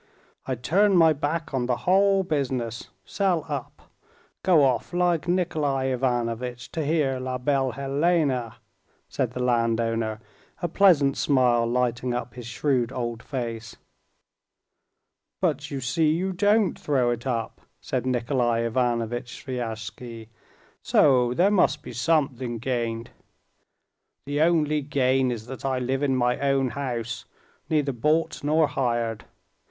I'd turn my back on the whole business, sell up, go off like Nikolay Ivanovitch ... to hear La Belle Hélène," said the landowner, a pleasant smile lighting up his shrewd old face. "But you see you don't throw it up," said Nikolay Ivanovitch Sviazhsky; "so there must be something gained." "The only gain is that I live in my own house, neither bought nor hired.